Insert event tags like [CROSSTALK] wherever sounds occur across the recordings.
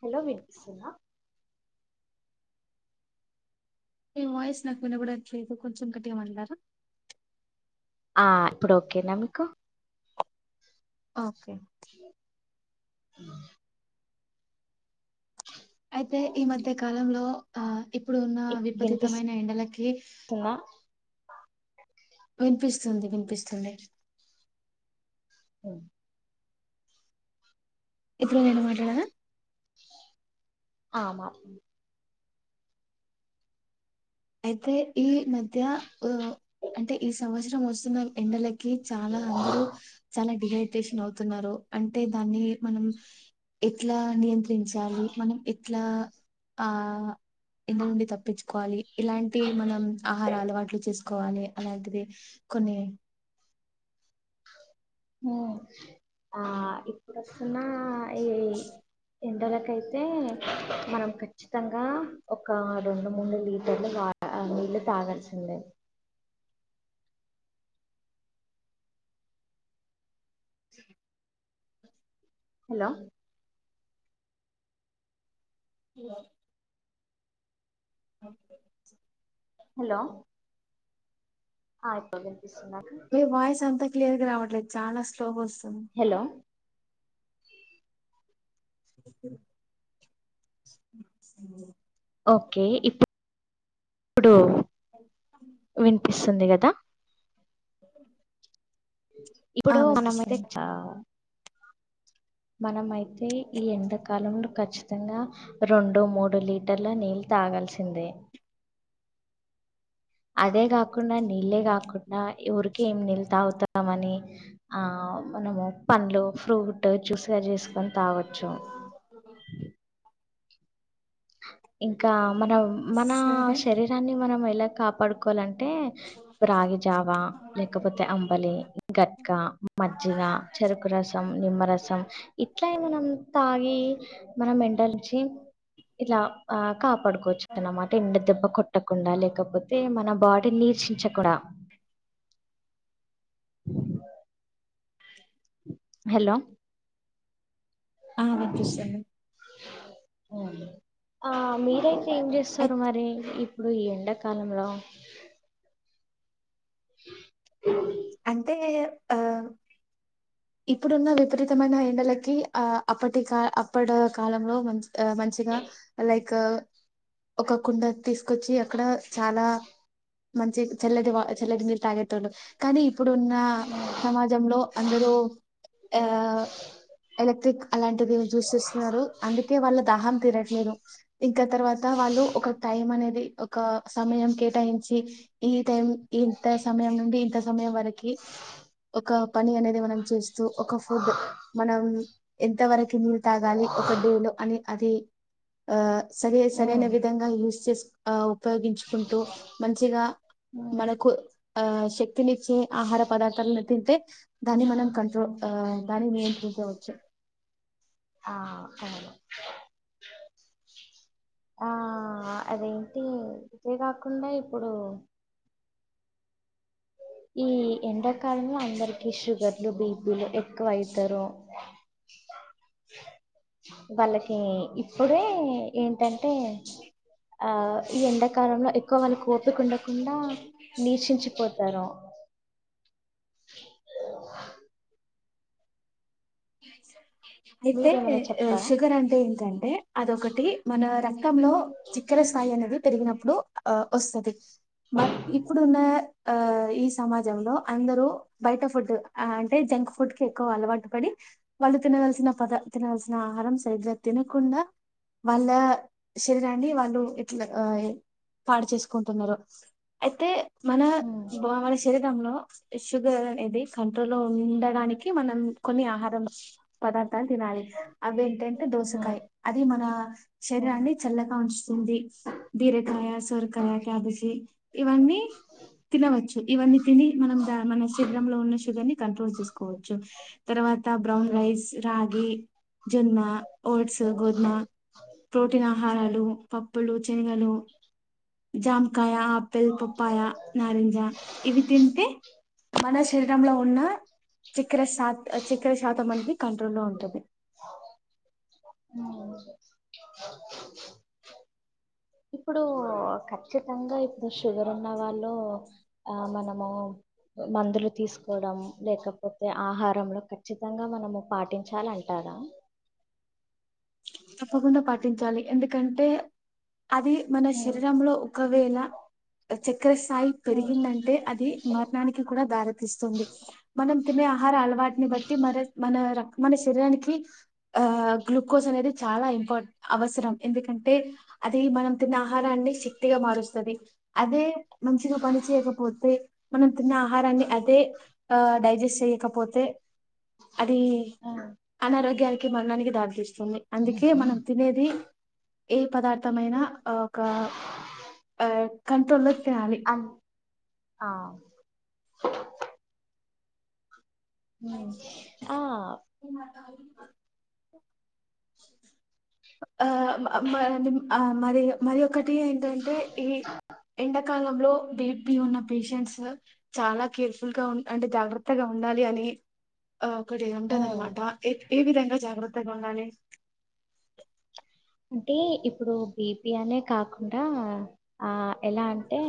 Hello వినిపిస్తుందా. మీ voice నాకు వినబడట్లేదు కొంచెం గట్టిగా మాట్లాడరా. ఆ ఇప్పుడు ఒకే నా మీకు. ఓకే అ అయితే ఈ మధ్య కాలంలో ఆ ఇప్పుడు ఉన్న విపరీతమైన ఎండలకి ఉన్నా వినిపిస్తుంది వినిపిస్తుంది. ఆ ఇప్పుడు నేను మాట్లాడనా ఆ మా అయితే ఈ మధ్య ఆ అంటే ఈ సంవత్సరం వస్తున్న ఎండల కి చాలా అందరూ చాలా డిహైడరేషన్ అవుతున్నారు. అంటే దాన్ని మనం ఎట్లా నియంత్రించాలి. మనం ఎట్లా ఆ ఎండ నుండి తప్పించుకోవాలి. ఇలాంటి మనం ఆహారాలు వాట్లు చేసు కోవాలి అలాంటిది కొన్ని హ్ ఆ ఇప్పుడొస్తున్నా ఎండలకైతే మనం కచ్చితంగా ఒక రెండు మూడు లీటర్ల వా నీళ్లు తాగాల్సిందే. సరేనా హలో హలో ఓకే హలో ఆయిపోయింది. నీ వాయిస్ అంతా క్లియర్ గా రావట్లేదు. చాలా స్లోగా వస్తు హలో హలో ఓకే ఇప్పు ఇప్పుడు వినిపిస్తుంది కదా. ఆ ఇప్పుడు మనమైతే వినిపిస్తుంది [UNINTELLIGIBLE] మనమైతే ఈ ఎండాకాలంలో ఖచ్చితంగా రెండు మూడు లీటర్ల నీళ్ తాగాల్సిందే అదే గాకుండా నీళ్ళే గాకుండా ఊరికే ఎన్నీళ్లు తాగుత తామని ఆ మనము పండ్లు ఫ్రూట్ జ్యూస్ గా చేసుకొన్ తాగొచ్చు ఇంకా మనం మన సరే శరీరాన్ని మనం ఎలా కాపాడుకోవాలన్ టే రాగిజావా లేకపోతే అంబలి గట్కా మజ్జిగ చెరుకు రసం నిమ్మరసం ఇట్లా ఏమన్నా మనం తాగి మనం ఎనర్జీ ఇలా ఆ కాపాడుకోవచ్చు అనమాట ఎండ దెబ్బ కొట్టకుండా లేకపోతే మన బాడీ నీరసించకుండా హలో ఆ వినిపిస్తుంది ఆ మీరైతే ఏం అయి చేస్తారు మరి ఇప్ ప్పుడు ఈ ఎండాకాలంలో అంటే ఆ ఇప్పుడున్న విపరీతమైన ఎండలకి ఆ అప్పటి కా అప్పడి కాలంలో మంచ్ మంచిగా లైక్ ఒక కుండ తీసుకొచ్చి అక్కడ చాలా మంచి చల్లటి వా చల్లటి నీళ్ళు తాగేటోళ్లు కానీ ఇప్పుడు ఉన్న సమాజంలో అందరు ఎ ఎలక్ట్రిక్ అలాంటిది చూస్ చేస్తున్నారు అందుకే వాళ్ళ దాహం తీరట్లేదు ఇంకా తర్వాత త వాళ్ళు ఒక టైం అనేది ఒక సమయం కేటాయించి ఈ టైం ఇంత సమయం నుండి ఇంత సమయం వరకి ఒక పని అనేది మనం చూస్ చు ఒక ఫుడ్ మనం ఎంతవరకి [UNINTELLIGIBLE] తాగాలి ఒక డే లో అని అది ఆ సరే హ్మ్. సరైన విధంగా యూస్ చేస్ ఆ ఉపయోగించుకుంటూ మంచిగా హ్మ్. మనకు ఆ శక్తినిచ్చే ఆహార పదార్థాలను తింటే దాన్ని మనం కంట్రోల్ ఆ దాని నియంత్రిం చ వచ్చు ఆ! అవును. అంతే కాకుండా ఇప్పుడు ఈ ఎండాకాలంలో అందరికి షుగర్లు బీపీలు ఎక్ క్కువైతరు వాళ్ళకి ఇప్పుడే ఏంటంటే ఆ ఈ ఎండాకాలంలో ఎక్కువ వాళ్ళకు ఓపిక ఉండకుండా నీరసించి పోతారు. అయితే మీరేమైనా చెప్తారా షుగర్ అంటే ఏంటంటే అదొకటి మన రక్ క్తం లో చక్కెర సాయి అనేది పెరిగినప్పుడు ఆ వస్తది బట్ ఇప్పుడున్న ఆ ఈ సమాజంలో అందరూ బయట ఫుడ్ ఆ అంటే జంక్ ఫుడ్ కి ఎక్కువ అలవాటు పడి వాళ్ళు తినవల్సిన పద తినాల్సిన ఆహారం సరిగ్గా తినకుండా వాళ్ళ శరీరాన్ని వాళ్ళు ఇట్ల ఆ య్ పాడు చేసుకుంటున్నారు అయితే మన ఉమ్, బ మన శరీరంలో షుగర్ అనేది కంట్రోల్ లో ఉండడానికి మనం కొన్ని ఆహారం పదార్థాలు తినాలి అవి ఏంటంటే ఉమ్, దోసకాయ అది మన ఉమ్, శరీరాన్ని చల్లగా ఉంచుతుంది బీరకాయ సొరకాయ క్యాబేజి ఇవన్ న్నీ తినవచ్చు ఇవన్నీ తిని మనం ద మన శరీరంలో ఉన్న షుగర్ ని కంట్రోల్ చేసుకోవచ్చు తర్వాత్ త్త బ్రౌన్ రైస్ రగి జొన్న ఓట్స్ గోధమ ప్రోటీన్ ఆహారాలు పప్పులు శనగలు జామకాయ ఆపిల్ పప్పాయ నారింజ ఇవి తింటే మన శరీరంలో ఉన్న [UNINTELLIGIBLE] చక్కెర శాతం అనేది కంట్రోల్ లో ఉంటుంది అ ఇప్పుడు ఖచ్చితంగా ఇప్పుడు షుగర్ ఉన్న వాళ్ళు ఆ మనము మందులు తీసుకోవడం లేకపోతే ఆహారంలో ఖచ్చితంగా మనము పాటించాల అంటారా తప్పకుండా పాటించాలి ఎందుకంటే అది మన ఉమ్, శరీరంలో ఒకవేళ చక్రస్థాయి ఉమ్, పెరిగిందంటే అది మరణానికి కూడా దారితీస్తుంది మనం తినే ఆహార అలవాటుని బట్టి మన మన రక్ మన శరీరానికి ఆ గ్లూకోస్ అనేది చాలా ఇంపార్ అవసరం ఎందుకంటే అది మనం తిన్న ఆహారాన్ని శక్తిగా మారుస్తది అదే మంచిగా పని చేయకపోతే మనం తిన్న ఆహారాన్ని అదే ఆ డైజెస్ట్ చేయకపోతే అది ఉమ్, అనారోగ్య మరణానికి దారి తీస్తుంది అందుకే మనం తినేది ఏ పదార్థ అయినా ఒక ఆ కంట్రోల్లో తినాలి అన్ ఆ ఉమ్, తినాలి ఆ ఆ [UNINTELLIGIBLE] మరి మరి ఒకటి ఏంటంటే ఈ ఎండాకాలం లో బిపి ఉన్న పేషెంట్స్ చాలా కేర్ఫుల్ గా ఉ అంటే జాగ్రత్తగా ఉండాలి అని ఆ ఒకటి ఉమ్. ఉంటదనమాట ఏ ఏ విధంగా జాగ్రత్తగా ఉండాలి అంటే ఇప్పుడు బీపి అనే కాకుండా ఆ ఎలా అంటే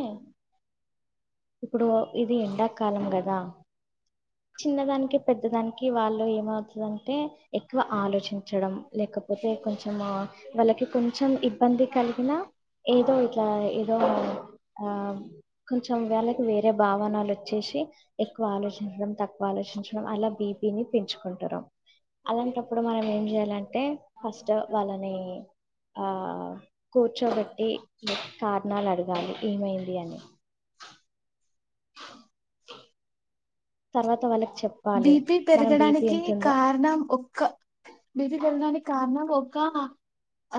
ఇప్పుడు ఇది ఎండాకాలం గదా చిన్నదానికి పెద్ద దానికి వాళ్ళు ఏమవుతుందంటే ఎక్కువ ఆలోచించడం లేకపోతే కొంచెం వాళ్ళకి కొంచెం ఇబ్బంది కలిగిన ఏదో ఇట్లా ఏదో ఆ కొంచెం వళ్ళకి వేరే భావనాలు వచ్చేసి ఎక్కువ ఆలోచించడం తక్కువ ఆలోచించడం అలా బీపి ని పెంచుకుంటారు అలాంటప్పుడు మనం ఏం చేయాలంటే ఫస్ట్ వాళ్ళని ఆ కూర్చోబెట్టి కారణాలు అడగాలి ఏమైంది అని తర్వాత వాళ్ళకి చెప్పాలి బిపి మనం బీపీ పెరగడానికి ఎంతుందో కారణం ఒక్క బిది పెరగడానికి కారణం ఒక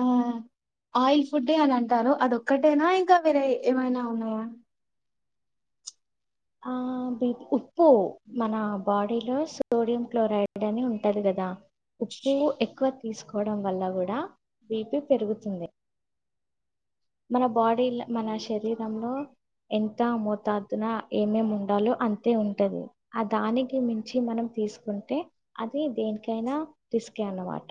ఆ ఆయిల్ ఫుడ్ అని అంటారు అదొక్కటేనా ఇంకా వేరే ఏమైనా ఉన్నాయా ఆ బ ఉప్పు మన బాడీలో సోడియం క్లోరైడ్ అని ఉంటది కదా ఉప్పు ఎక్కువ తీసుకోవడం వల్ల కూడా బీపి పెరుగుతుంది మన బాడీ మన శరీరంలో ఎంత అమోతాదున ఏమేమి ఉండాలో అంతే ఉంటది ఆ దానికి మించి మనం తీసుకుంటే అది [UNINTELLIGIBLE] దేనికైనా రిస్కే అన్నమాట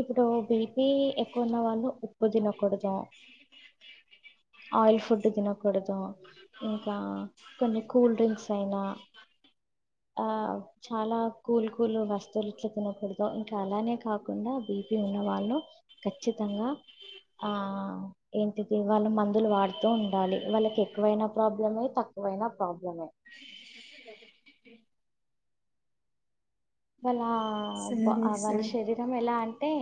ఇప్పుడు బీపి ఎక్కువ ఉన్న వాళ్ళు ఉప్పు తినకూడదు ఆయిల్ ఫుడ్ తినకూడదు ఇంకా కొన్ని కూల్ డ్రింక్స్ అయినా ఆ చాల కూలి కూలు వస్తువులు [UNINTELLIGIBLE] తినకూడదు ఇంకా అలానే కాకు [UNINTELLIGIBLE] బీపి ఉన్న వాళ్ళు ఖచ్చితంగా ఆ ఏంటికి వాళ్ళ మందులు వాడుతూ ఉండాలి వాళ్ళకి ఎక్కువైైన ప్రాబ్లం తక్కువ నువ్వు అయిన ప్రాబ్లమే ఇ వాళ్ళ సరే వ వాళ్ళ సరే శరీరం ఎలా టే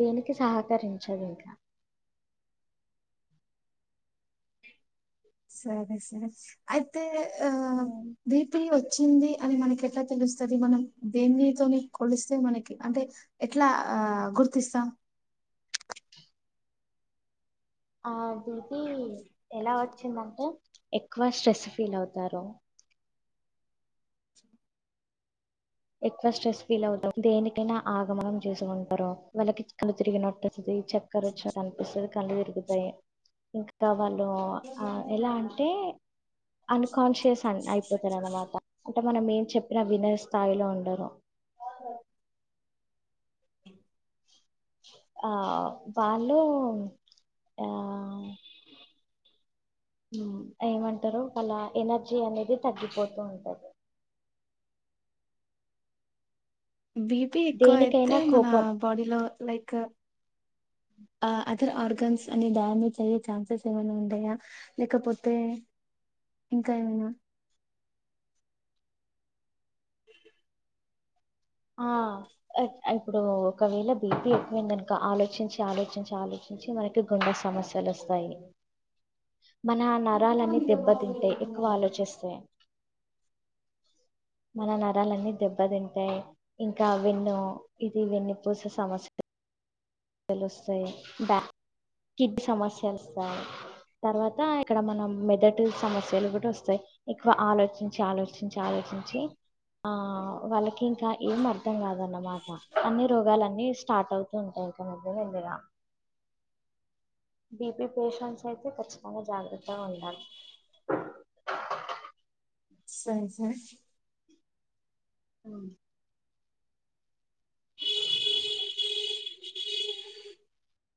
దేనికి సహకరించదు ఇంకా సరే సరే అయితే ఆ ఉమ్, బిపి వచ్చింది అని మనకి ఎట్లా తెలుస్తుంది మనం దేన్ని తోని కొలిస్తే మనకి అంటే ఎట్లా ఆ గుర్తిస్తాం ఆ బిపి ఎలా వచ్చిందంటే ఎక్కువ స్ట్రెస్ ఫీల్ అవుతారు ఎక్కువ స్ట్రెస్ ఫీల్ అవుతాం దేనికైనా ఆగమగం చేసుకుంటారు వాళ్ళకి కళ్ళు తిరిగినట్టు చక్కర వచ్చినట్టు అనిపిస్తది కళ్ళు తిరుగుతాయి ఇంకా వాళ్ళు ఓ ఆ ఎలా అంటే అన్కాన్షియస్ అన్ అయిపోతారనమాట సె మనం ఏం చెప్పినా వినే స్థాయిలో ఉండరు బ ఆ వాళ్ళు ఆ ఏమంటారు వాళ్ళ ఎనర్జీ అనేది తగ్గిపోతూ ఉంటది బీపీ ఎక్కువ అయితే దేనికైనా మన కోపం బాడీలో లైక్ ఆ అదర్ ఆర్గన్స్ అని డ్యామేజ్ అయ్యే ఛాన్సెస్ ఏమైనా ఉంటయా లేకపోతే ఇంకా ఏమైనా ఆ ఇప్పుడు ఒకవేళ బీపీ ఎక్కువ అయింది అనుకో ఆలోచించి ఆలోచించి ఆలోచిం చి మనకి గుండె సమస్యలు వస్తాయి మన ఇప్పుడు నరాలన్నీ మీరు బాగు దెబ్బతింటాయ్ ఎక్కువ ఆలోచిస్తే మన నరాలన్నీ దెబ్బతింటాయి ఇంకా వెన్ను ఇది వెన్న పూస సమస్య లు వస్తాయి బా కిడ్నీ సమస్యలు వస్తాయి తర్వాత ఇక్కడ మనం మెదడు సమస్యలు కూడా వస్తాయి ఎక్కువ ఆలోచించి ఆలోచించి ఆలో చించి ఆ వాళ్ళకి ఇంకా ఏం అర్థం కాదన్నమాట అన్ని రోగాలన్నీ స్టార్ట్ అవుతూ ఉంటాయి బాబోయ్ ఎందిరా బీపీ పేషెంట్స్ అయితే ఖచ్చితంగా జాగ్రత్తగా ఉండాలి సరే సరే మ్